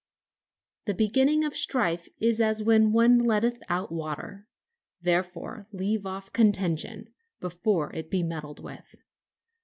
"The beginning of strife is as when one letteth out water: therefore leave off contention, before it be meddled with."